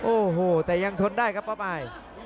โอ้โหแต่ยังทนได้ครับป้าอาย